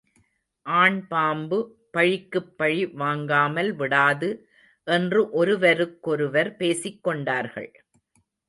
ஆண் பாம்பு பழிக்குப் பழி வாங்காமல் விடாது என்று ஒருவருக்கொருவர் பேசிக்கொண்டார்கள்.